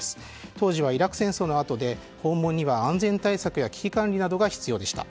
当時はイラク戦闘のあとで訪問には安全対策や危機管理が必要でした。